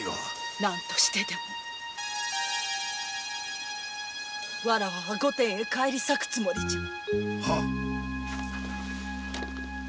何としてでもわらわは御殿へ返り咲くつもりじゃ。